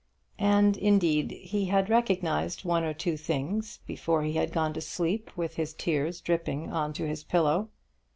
And, indeed, he had recognised one or two things before he had gone to sleep with his tears dripping on to his pillow.